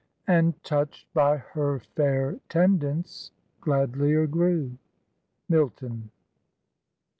"And touch'd by her fair tendance, gladlier grew." MILTON.